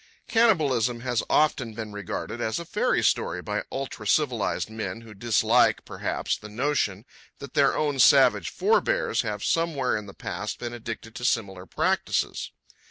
Cannibalism has often been regarded as a fairy story by ultracivilized men who dislike, perhaps, the notion that their own savage forebears have somewhere in the past been addicted to similar practices.